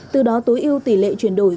từ đó tối ưu tỷ lệ chuyển đổi